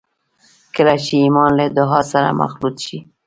کله چې ایمان له دعا سره مخلوط شي